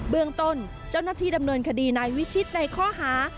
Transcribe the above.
เรื่องต้นเจ้าหน้าที่ดำเนินคดีนายวิชิตในข้อหา